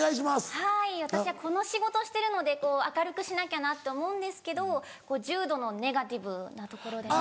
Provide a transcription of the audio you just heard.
はい私はこの仕事してるので明るくしなきゃなって思うんですけど重度のネガティブなところですね。